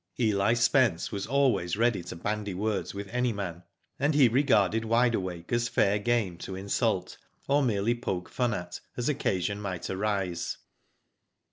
EH Spence was always ready to bandy words with any man, and he regarded Wide Awake as fair game to insult, or merely poke fun at, as occasion might arise.